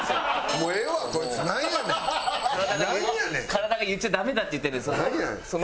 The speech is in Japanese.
体が言っちゃダメだって言ってるんだよ。